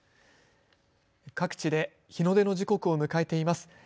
各地で日の出の時刻を迎えています。